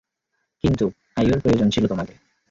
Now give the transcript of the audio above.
কিন্তু, আইয়োর প্রয়োজন ছিল তোমাকে।